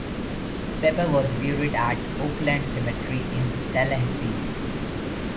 Pepper was buried at Oakland Cemetery in Tallahassee.